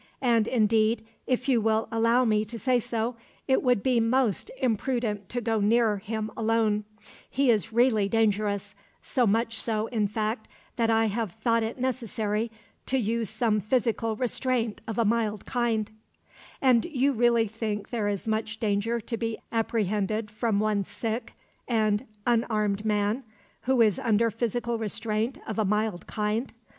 And, indeed, if you will allow me to say so, it would be most imprudent to go near him alone; he is really dangerous so much so, in fact, that I have thought it necessary to use some physical restraint of a mild kind " "And you really think there is much danger to be apprehended from one sick and unarmed man, who is under physical restraint of a mild kind?"